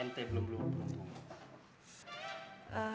ente belum lupa